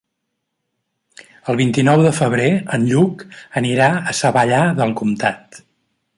El vint-i-nou de febrer en Lluc anirà a Savallà del Comtat.